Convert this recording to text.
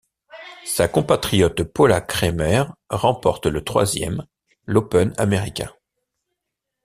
Sa compatriote Paula Creamer remporte le troisième, l'Open américain.